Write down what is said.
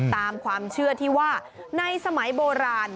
ตามความเชื่อที่ว่าในสมัยโบราณ